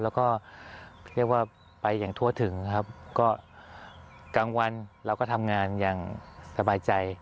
แล้วก็เรียกว่าไปอย่างทั่วถึงครับก็กลางวันเราก็ทำงานอย่างสบายใจ